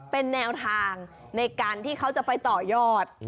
เป็นแนวทางในการที่เขาจะไปต่อยอด